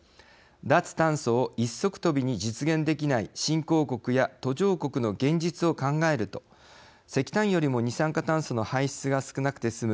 脱炭素を一足飛びに実現できない新興国や途上国の現実を考えると石炭よりも二酸化炭素の排出が少なくて済む